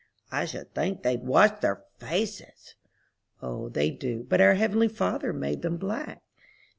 "I should think they'd wash their faces." "O, they do, but our Heavenly Father made them black."